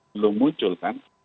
belum muncul kan